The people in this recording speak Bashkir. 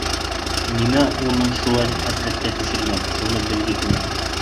Нимә уны шулай хәсрәткә төшөргән, шуны белге килә.